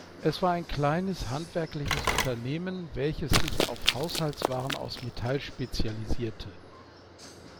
Es war ein kleines handwerkliches Unternehmen, welches sich auf Haushaltswaren aus Metall spezialisierte.